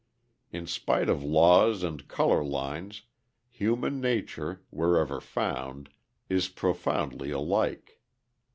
In spite of laws and colour lines, human nature, wherever found, is profoundly alike.